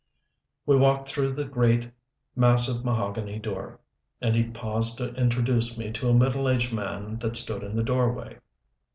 We walked through the great, massive mahogany door, and he paused to introduce me to a middle aged man that stood in the doorway.